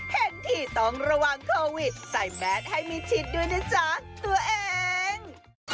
เห็นทีต้องระวังโควิดใส่แมสให้มิดชิดด้วยนะจ๊ะตัวเอง